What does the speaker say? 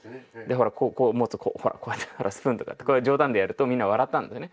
ほらこう持つとこうほらスプーンとかってこれ冗談でやるとみんな笑ったんですよね。